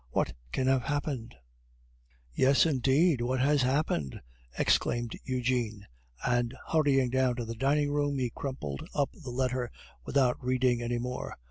What can have happened?..." "Yes, indeed, what has happened?" exclaimed Eugene, and, hurrying down to the dining room, he crumpled up the letter without reading any more.